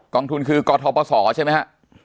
กองทุนคือกฎทอปศใช่ไหมครับ